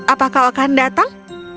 apakah kau akan datang